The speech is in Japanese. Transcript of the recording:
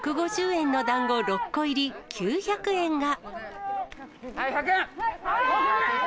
１５０円のだんご６個入り９００円が。